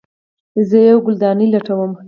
زه یوه ګلدانۍ لټوم